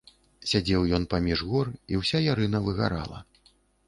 Сядзеў ён паміж гор, і ўся ярына выгарала.